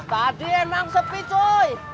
tadi enak sepi cuy